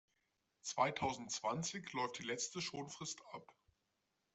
Zweitausendzwanzig läuft die letzte Schonfrist ab.